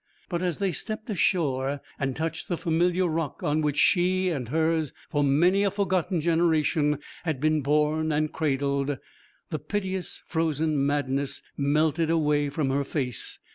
But as they stepped ashore and touched the familiar rock on which she and hers for many a forgotten generation had been born and cradled, the piteous frozen madness melted away from her face.